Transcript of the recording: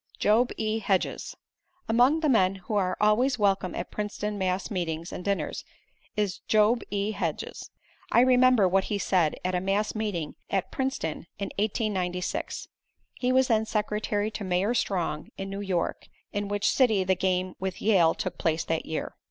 Job E. Hedges Among the men who are always welcome at Princeton mass meetings and dinners, is Job E. Hedges. I remember what he said at a mass meeting at Princeton in 1896. He was then secretary to Mayor Strong, in New York, in which city the game with Yale took place that year.